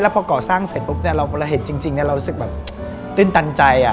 พอก่อสร้างเสร็จปุ๊บเราเห็นจริงเรารู้สึกแบบตื่นตันใจ